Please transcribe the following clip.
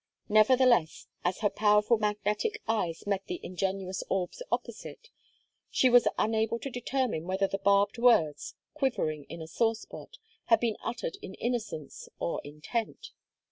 Nevertheless, as her powerful magnetic eyes met the ingenuous orbs opposite, she was unable to determine whether the barbed words, quivering in a sore spot, had been uttered in innocence or intent.